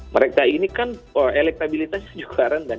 mereka ini kan elektabilitasnya juga rendah